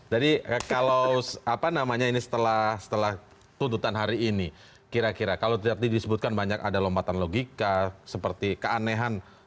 jadi kalau apa namanya ini setelah tuntutan hari ini kira kira kalau terdiri disebutkan banyak ada lompatan logika seperti keanehan faktor meringankan itu juga ada